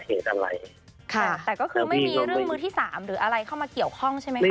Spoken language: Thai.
ค่ะแต่ก็คือไม่มีเรื่องมือที่สามหรืออะไรเข้ามาเกี่ยวข้องใช่ไหมคะ